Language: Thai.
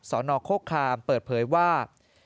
สอนอโครคคลามเปิดเผยว่า